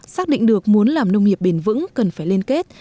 xác định được muốn làm nông nghiệp bền vững cần phải liên kết